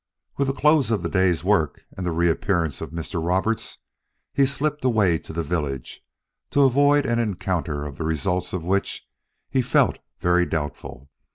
With the close of the day's work and the reappearance of Mr. Roberts, he slipped away to the village, to avoid an encounter of the results of which he felt very doubtful.